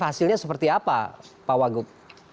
hasilnya seperti apa pak wagub